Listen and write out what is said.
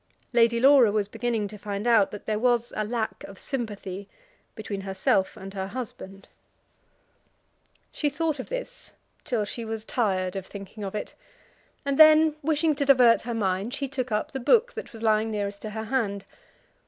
Lady Laura was beginning to find out that there was a lack of sympathy between herself and her husband. She thought of this till she was tired of thinking of it, and then, wishing to divert her mind, she took up the book that was lying nearest to her hand.